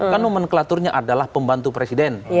kan nomenklaturnya adalah pembantu presiden